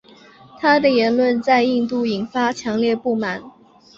他的言论在印度引发强烈不满。